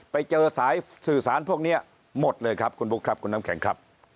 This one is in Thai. ไปเจอสายสื่อสารพวกนี้หมดเลยครับคุณบุ๊คครับคุณน้ำแข็งครับ